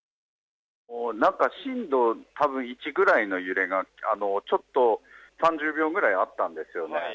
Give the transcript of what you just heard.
何か震度１ぐらいの揺れがちょっと３０秒ぐらいあったんですよね。